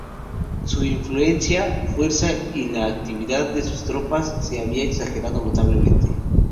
Su influencia, fuerza y la actividad de sus tropas se había exagerado notablemente.